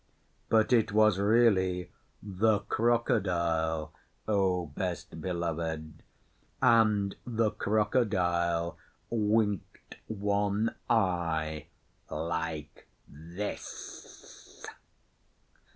But it was really the Crocodile, O Best Beloved, and the Crocodile winked one eye like this!